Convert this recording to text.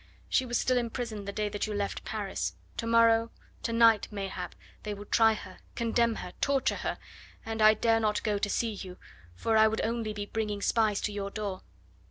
She was still in prison the day that you left Paris; to morrow, to night mayhap, they will try her, condemn her, torture her, and I dare not go to see you, for I would only be bringing spies to your door.